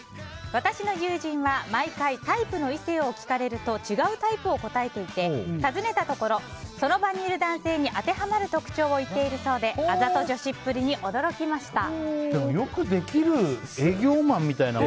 私の友人は毎回タイプの異性を聞かれると違うタイプを答えていて尋ねたところその場にいた男性に当てはまる特徴を言っているそうであざと女子っプリに驚きました。